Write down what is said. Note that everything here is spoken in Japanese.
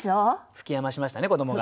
吹き余しましたね子どもが。